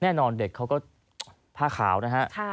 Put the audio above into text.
แน่นอนเด็กเขาก็พ่าขาวนะฮะ